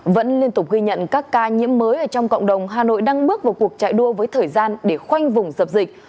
vẫn liên tục ghi nhận các ca nhiễm mới ở trong cộng đồng hà nội đang bước vào cuộc chạy đua với thời gian để khoanh vùng dập dịch